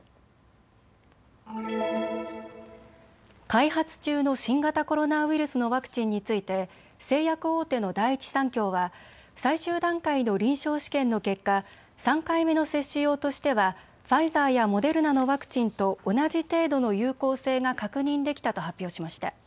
開発中の新型コロナウイルスのワクチンについて製薬大手の第一三共は最終段階の臨床試験の結果、３回目の接種用としてはファイザーやモデルナのワクチンと同じ程度の有効性が確認できたと発表しました。